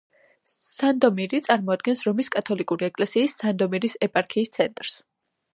სანდომირი წარმოადგენს რომის კათოლიკური ეკლესიის სანდომირის ეპარქიის ცენტრს.